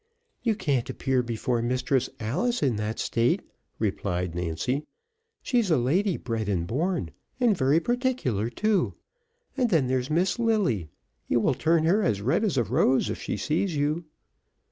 "You can't appear before Mistress Alice in that state," replied Nancy. "She's a lady bred and born, and very particular too, and then there's Miss Lilly, you will turn her as red as a rose, if she sees you."